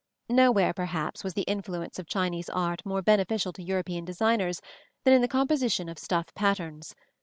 Nowhere, perhaps, was the influence of Chinese art more beneficial to European designers than in the composition of stuff patterns.